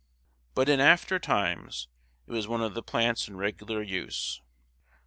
But in after times it was one of the plants in regular use.